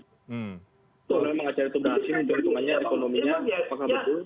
kalau memang acara itu berhasil keuntungannya ekonominya apakah betul